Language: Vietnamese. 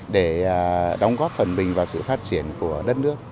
để đóng góp phần mình vào sự phát triển của đất nước